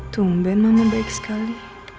tungguin mama baik sekali